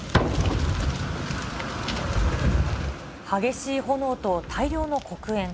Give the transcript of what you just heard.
激しい炎と大量の黒煙。